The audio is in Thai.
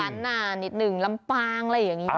หนานิดหนึ่งลำปางอะไรอย่างนี้